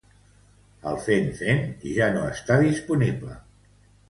El fen-phen ja no està disponible.